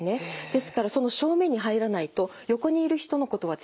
ですからその正面に入らないと横にいる人のことは全然見えないんです。